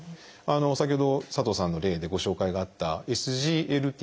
先ほど佐藤さんの例でご紹介があったＳＧＬＴ